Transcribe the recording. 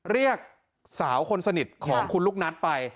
เรียกสาวคนสนิทของคุณลูกนัทไป